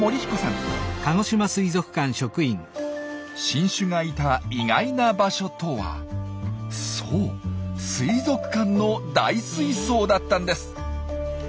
新種がいた意外な場所とはそう水族館の大水槽だったんです！